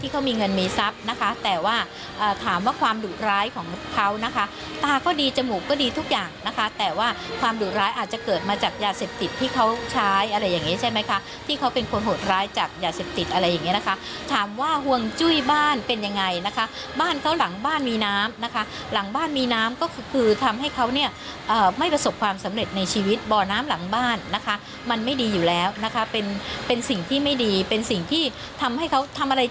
ของเขานะคะตาก็ดีจมูกก็ดีทุกอย่างนะคะแต่ว่าความหลุดร้ายอาจจะเกิดมาจากยาเสพติดที่เขาใช้อะไรอย่างนี้ใช่ไหมคะที่เขาเป็นคนโหดร้ายจากยาเสพติดอะไรอย่างนี้นะคะถามว่าห่วงจุ้ยบ้านเป็นยังไงนะคะบ้านเขาหลังบ้านมีน้ำนะคะหลังบ้านมีน้ำก็คือทำให้เขาเนี่ยไม่ประสบความสำเร็จในชีวิตบ่อน้ำหลังบ้านนะคะมันไม่ดีอยู่แล้วนะคะ